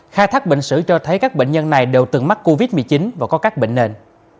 khai thác bệnh sử cho thấy các bệnh nhân này đều từng mắc covid một mươi chín và có các bệnh nền